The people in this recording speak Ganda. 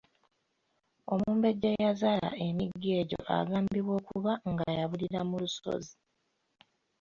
Omumbejja eyazaala emigga egyo agambibwa okuba nga yabulira mu lusozi.